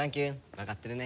わかってるね。